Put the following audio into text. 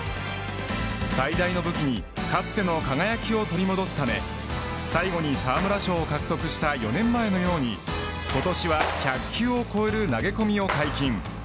最大の武器にかつての輝きを取り戻すため最後に沢村賞を獲得した４年前のように今年は１００球を超える投げ込みを解禁。